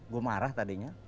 gue marah tadinya